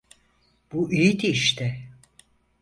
Bu iyiydi işte.